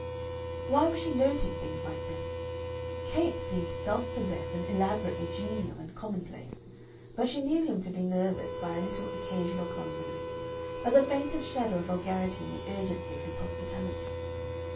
Why was she noting things like this? Capes seemed self possessed and elaborately genial and commonplace, but she knew him to be nervous by a little occasional clumsiness, by the faintest shadow of vulgarity in the urgency of his hospitality.